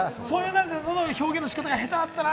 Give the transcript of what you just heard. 表現の仕方が下手だったな。